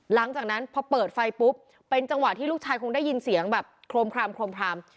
หลังจากนั้นพอเปิดไฟปุ๊บเป็นจังหวะที่ลูกชายคงได้ยินเสียงแบบโครมคราม